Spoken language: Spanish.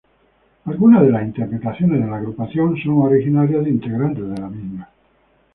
Algunas de las interpretaciones de la agrupación son originarias de integrantes de la misma.